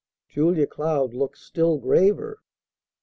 Julia Cloud looked still graver.